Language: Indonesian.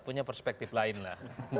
punya perspektif lain lah